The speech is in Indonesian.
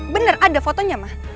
bener ada fotonya ma